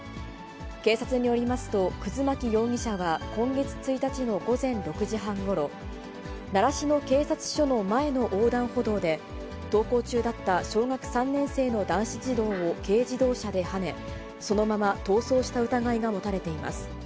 警察によりますと、葛巻容疑者は今月１日の午前６時半ごろ、習志野警察署の前の横断歩道で、登校中だった小学３年生の男子児童を軽自動車ではね、そのまま逃走した疑いが持たれています。